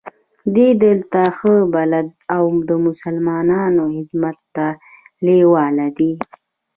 دی دلته ښه بلد او د مسلمانانو خدمت ته لېواله دی.